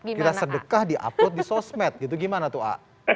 kira sedekah di upload di sosmed gitu gimana tuh aa